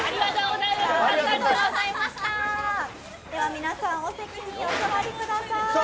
皆さんお席にお座りください。